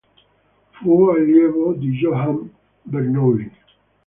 Fu allievo di Johann Bernoulli.